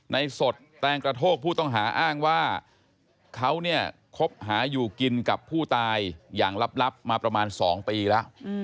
สดแตงกระโทกผู้ต้องหาอ้างว่าเขาเนี่ยคบหาอยู่กินกับผู้ตายอย่างลับมาประมาณ๒ปีแล้ว